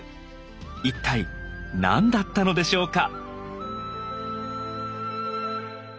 一体何だったのでしょうか？